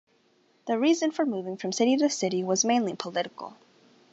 The reason for moving from city to city was mainly political.